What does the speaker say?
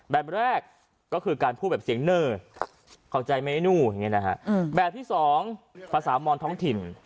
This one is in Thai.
แบบแรกก็คือการพูดแบบเสียงเนอขอบใจไหมนู่แบบที่๒ภาษามอนท้องถิ่น